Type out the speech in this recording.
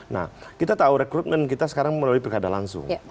nah kita tahu rekrutmen kita sekarang melalui pilkada langsung